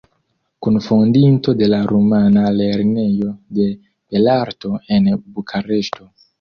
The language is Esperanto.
Kunfondinto de la rumana Lernejo de belarto en Bukareŝto.